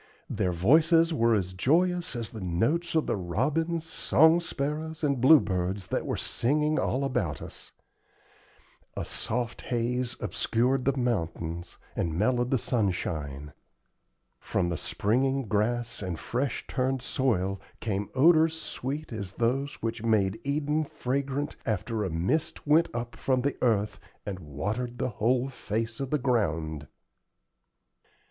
Their voices were as joyous as the notes of the robins, song sparrows, and bluebirds that were singing all about us. A soft haze half obscured the mountains, and mellowed the sunshine. From the springing grass and fresh turned soil came odors sweet as those which made Eden fragrant after "a mist went up from the earth and watered the whole face of the ground."